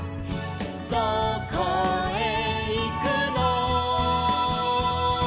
「どこへいくの」